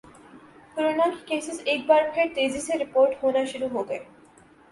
corona کے cases ایک بار پھر تیزی سے رپورٹ ہونا شروع ہوگئے